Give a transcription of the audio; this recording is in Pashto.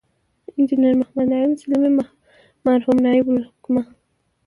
انجنیر محمد نعیم سلیمي، مرحوم نایب الحکومه